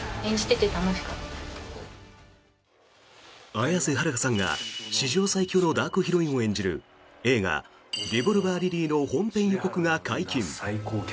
綾瀬はるかさんが、史上最強のダークヒロインを演じる映画「リボルバー・リリー」の本編予告が解禁！